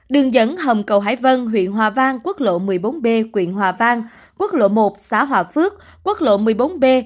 đường dẫn hầm cầu hải vân huyện hòa vang quốc lộ một mươi bốn b quyện hòa vang quốc lộ một xã hòa phước quốc lộ một mươi bốn b